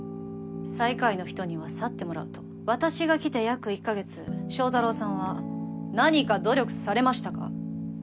最下位の人には去ってもらうと私が来て約１カ月祥太郎さんは何か努力されましたか？